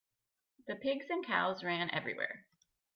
The pigs and cows ran everywhere.